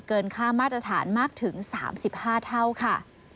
ค่ามาตรฐานมากถึง๓๕เท่าค่ะ